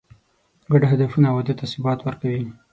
ګډ هدفونه واده ته ثبات ورکوي.